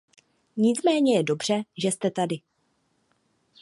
Nicméně je dobře, že jste tady.